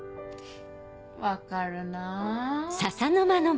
分かるなぁ。